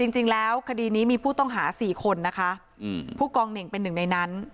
จริงแล้วคดีนี้มีผู้ต้องหา๔คนนะคะผู้กองเหน่งเป็นหนึ่งในนั้น